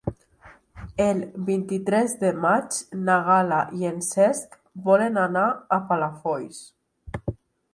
El vint-i-tres de maig na Gal·la i en Cesc volen anar a Palafolls.